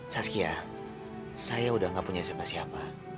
saskia saya sudah tidak punya siapa siapa